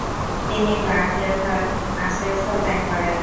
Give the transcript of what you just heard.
তিনি লা গ্লেভার আশ্রয়স্থল ত্যাগ করেন।